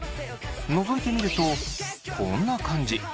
のぞいてみるとこんな感じ。